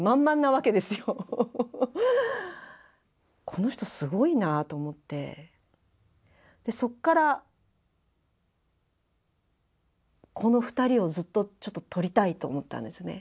この人すごいなぁと思ってそっからこの２人をずっとちょっと撮りたいと思ったんですね。